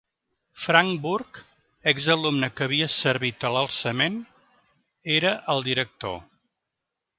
Frank Burke, exalumne que havia servit a l'alçament, era el director.